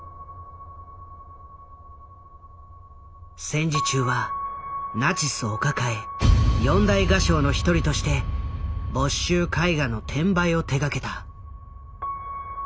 戦時中はナチスお抱え四大画商の一人として没収絵画の転売を手がけた。